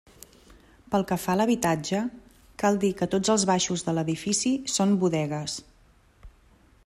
Pel que fa a l'habitatge cal dir que tots els baixos de l'edifici són bodegues.